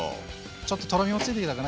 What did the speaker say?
ちょっととろみもついてきたかな。